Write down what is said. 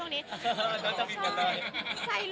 อเรนนี่ปุ๊ปอเรนนี่ปุ๊ป